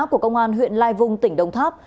của công an huyện lai vung tỉnh đồng tháp